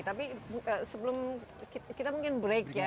tapi sebelum kita mungkin break ya